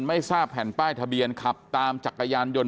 ไม่ทราบแผ่นป้ายทะเบียนขับตามจักรยานยนต